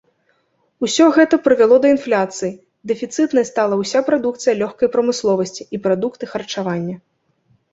Усё гэта прывяло да інфляцыі, дэфіцытнай стала ўся прадукцыя лёгкай прамысловасці і прадукты харчавання.